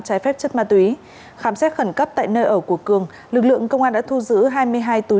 trái phép chất ma túy khám xét khẩn cấp tại nơi ở của cường lực lượng công an đã thu giữ hai mươi hai túi